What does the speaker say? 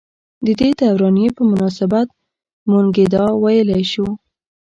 ددې دورانيې پۀ مناسبت مونږدا وئيلی شو ۔